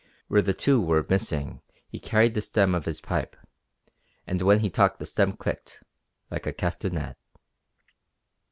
Where the two were missing he carried the stem of his pipe, and when he talked the stem clicked, like a Castanet.